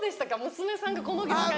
娘さんがこの業界。